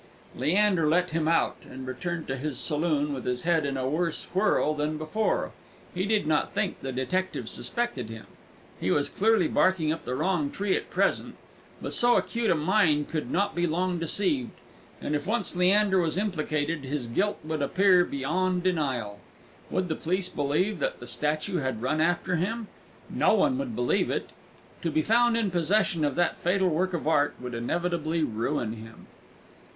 Leander let him out, and returned to his saloon with his head in a worse whirl than before. He did not think the detective suspected him. He was clearly barking up the wrong tree at present; but so acute a mind could not be long deceived, and if once Leander was implicated his guilt would appear beyond denial. Would the police believe that the statue had run after him? No one would believe it! To be found in possession of that fatal work of art would inevitably ruin him.